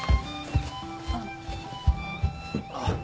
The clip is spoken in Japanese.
あっ。